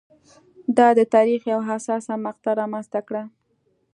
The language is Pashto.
دا د تاریخ یوه حساسه مقطعه رامنځته کړه.